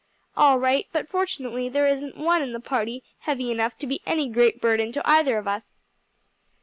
"All right; but fortunately there isn't one in the party heavy enough to be any great burden to either of us."